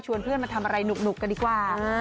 เพื่อนมาทำอะไรหนุกกันดีกว่า